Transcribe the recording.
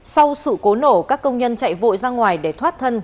sau sự cố nổ các công nhân chạy vội ra ngoài để thoát thân